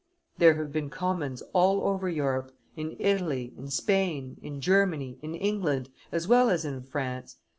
There have been commons all over Europe, in Italy, in Spain, in Germany, in England, as well as in France.